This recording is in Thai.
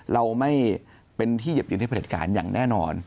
เราไม่เป็นที่เหยียบยืนให้ประเทศกาลอย่างแน่นอน